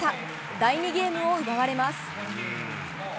第２ゲームを奪われます。